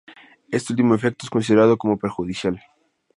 Este último efecto es considerado como perjudicial.